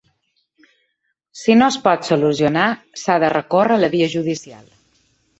Si no es pot solucionar, s’ha de recórrer a la via judicial.